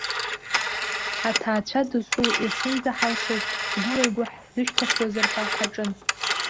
Аҭаацәа дасу иахьынӡаҳалшоз ҳгәыла игәы ҳзышьҭхыуазар ҳәа ҳаҿын.